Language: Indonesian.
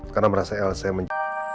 karena merasa elsa yang menj